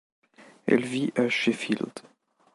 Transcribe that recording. Elle vit à Sheffield.